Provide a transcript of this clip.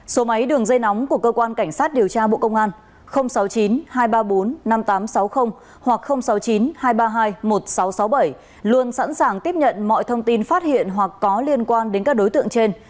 số máy đường dây nóng của cơ quan cảnh sát điều tra bộ công an sáu mươi chín hai trăm ba mươi bốn năm nghìn tám trăm sáu mươi hoặc sáu mươi chín hai trăm ba mươi hai một nghìn sáu trăm sáu mươi bảy luôn sẵn sàng tiếp nhận mọi thông tin phát hiện hoặc có liên quan đến các đối tượng trên